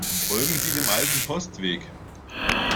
Folgen Sie dem alten Postweg.